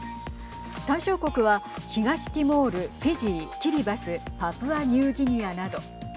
対象国は東ティモールフィジー、キリバスパプアニューギニアなど。